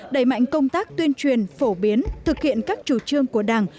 đẩy mạnh công tác tuyên truyền phổ biến thực hiện các chủ trương của đảng